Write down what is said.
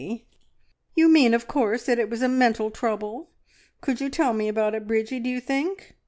"You mean, of course, that it was a mental trouble. Could you tell me about it, Bridgie, do you think?